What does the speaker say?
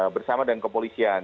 bersama dengan kepolisian